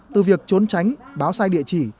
từ việc trốn tránh báo sai địa chỉ